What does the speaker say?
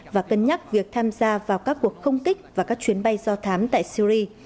và cân nhắc việc tham gia vào các cuộc không kích và các chuyến bay do thám tại syri